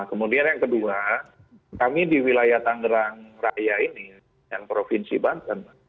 kemudian yang kedua kami di wilayah tangerang raya ini yang provinsi banten